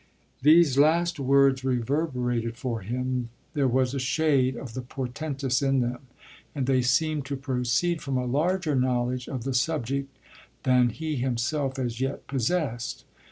These last words reverberated for him there was a shade of the portentous in them and they seemed to proceed from a larger knowledge of the subject than he himself as yet possessed.